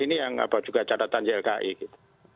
ini yang apa juga catatan ylki gitu